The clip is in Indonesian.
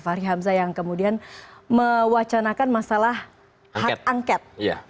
fahri hamzah yang kemudian mewacanakan masalah hak angket